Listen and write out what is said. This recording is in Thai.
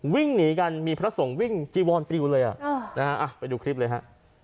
วิ่งหนีกันมีพระสงฆ์วิ่งจีวอนปริวเลยอ่ะนะฮะไปดูคลิปเลยฮะ